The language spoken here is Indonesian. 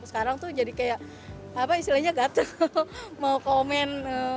sekarang tuh jadi kayak apa istilahnya gatel mau komen